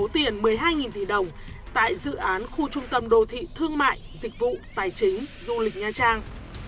một mươi hai tỷ đồng tại dự án khu trung tâm đô thị thương mại dịch vụ tài chính du lịch nha trang